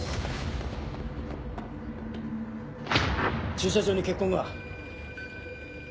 駐車場に血痕が。